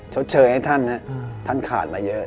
ชดเชยให้ท่านท่านขาดมาเยอะ